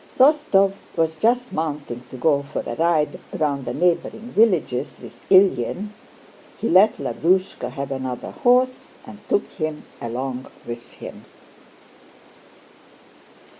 Rostóv was just mounting to go for a ride round the neighboring villages with Ilyín; he let Lavrúshka have another horse and took him along with him.